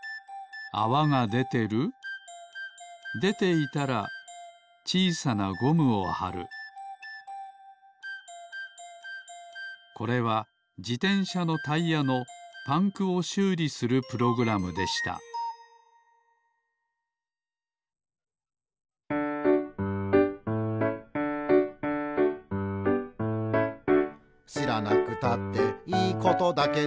じつはこんなもののプログラムでしたこれはじてんしゃのタイヤのパンクをしゅうりするプログラムでした「しらなくたっていいことだけど」